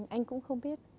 anh cũng không biết